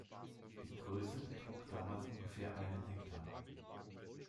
Die Größe betrug damals ungefähr einen Hektar.